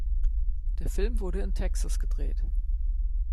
Der Film wurde in Texas gedreht.